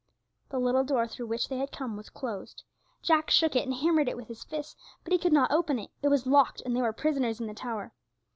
The little door through which they had come was closed. Jack shook it, and hammered it with his fists, but he could not open it; it was locked, and they were prisoners in the tower.